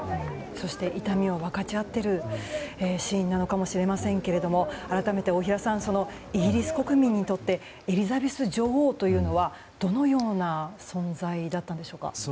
そして痛みを分かち合っているシーンなのかもしれませんが改めて大平さんイギリス国民にとってエリザベス女王というのはどのような存在だったんでしょうか。